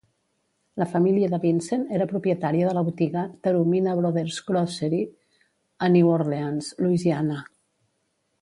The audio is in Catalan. La família de Vincent era propietària de la botiga "Taromina Brothers Grocery" a New Orleans, Louisiana.